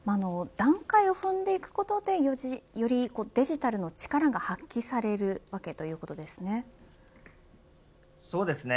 段階を踏んでいくことで、よりデジタルの力が発揮されるそうですね。